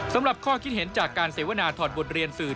ที่เห็นจากการเสวนาถอดบทเรียนสื่อ